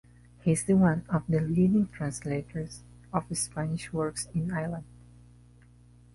He is one of the leading translators of Spanish works in Iceland.